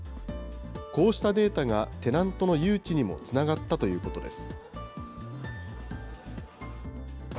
こうしたデータがテナントの誘致にもつながったということです。